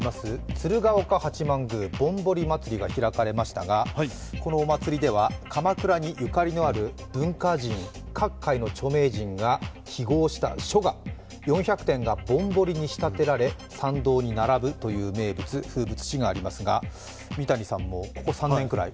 鶴岡八幡宮、ぼんぼり祭が開かれましたが、このお祭りでは鎌倉にゆかりのある文化人、各階の著名人が揮ごうした書が４００点がぼんぼりに仕立てられ参道に並ぶという名物風物詩がありますが、三谷さんもここ３年くらい？